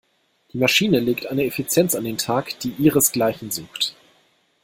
Die Maschine legt eine Effizienz an den Tag, die ihresgleichen sucht.